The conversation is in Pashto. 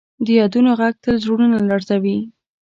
د یادونو ږغ تل زړونه لړزوي.